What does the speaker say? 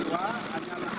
ada hasil yang sempat